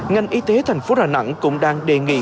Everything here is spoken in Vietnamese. ngành y tế thành phố đà nẵng cũng đang đề nghị